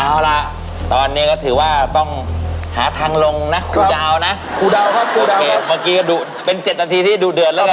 ครูดาวครับครูดาวครับโอเคเมื่อกี้ก็ดูเป็น๗นาทีที่ดูเดือดแล้วกัน